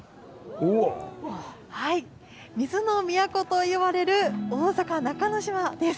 水の都といわれる大阪・中之島です。